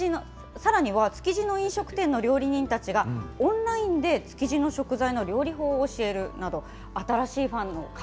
さらには築地の飲食店の料理人たちが、オンラインで築地の食材の料理法を教えるなど、新しいファンの開